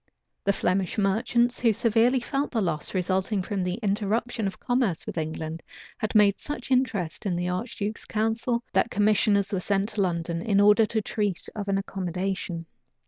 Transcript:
The Flemish merchants, who severely felt the loss resulting from the interruption of commerce with England, had made such interest in the archduke's council, that commissioners were sent to London, in order to treat of an accommodation.